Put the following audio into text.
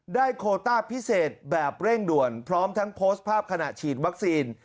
โคต้าพิเศษแบบเร่งด่วนพร้อมทั้งโพสต์ภาพขณะฉีดวัคซีน